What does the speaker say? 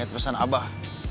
lihat pesan abah